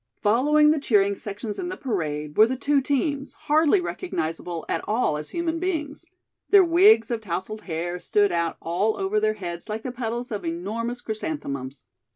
Following the cheering sections in the parade were the two teams, hardly recognizable at all as human beings. Their wigs of tousled hair stood out all over their heads like the petals of enormous chrysanthemums.